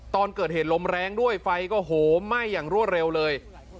ตอนเกิดเหตุลมแรงด้วยไฟก็โหมไหม้อย่างรวดเร็วเลย